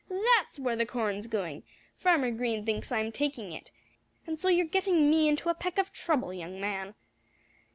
"That's where the corn's going! Farmer Green thinks I'm taking it. And so you're getting me into a peck of trouble, young man."